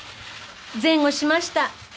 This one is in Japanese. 前後しました。